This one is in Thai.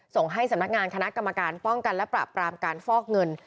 ส่งให้สำนักงานคณะกรรมการป้องกันและปราบปรามการฟอกเงิน